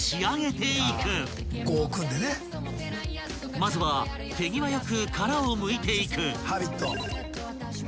［まずは手際よく殻をむいていく］